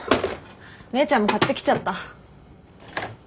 姉ちゃんも買ってきちゃった。